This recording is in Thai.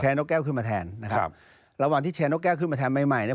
นกแก้วขึ้นมาแทนนะครับระหว่างที่แชร์นกแก้วขึ้นมาแทนใหม่ใหม่เนี่ย